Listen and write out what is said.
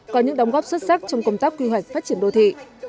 có những đóng góp xuất sắc trong công tác quy hoạch phát triển đô thị